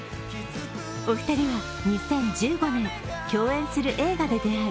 お二人は２０１５年共演する映画で出会い